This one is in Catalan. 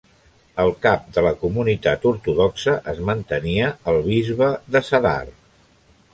Al cap de la comunitat ortodoxa es mantenia el bisbe de Zadar.